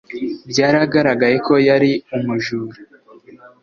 Byaragaragaye ko yari umujura